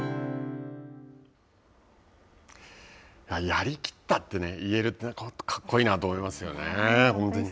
やり切ったって言えるって格好いいなと思いますよね。